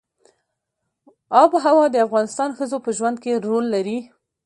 آب وهوا د افغان ښځو په ژوند کې رول لري.